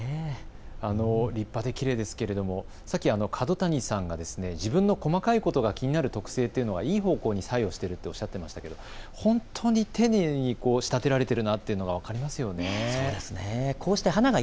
立派できれいですけれども、さっき廉谷さんが自分の細かいことが気になる特性がいい方向に作用しているとおっしゃっていましたが本当に丁寧に仕立てられているなというのが分かりますよね。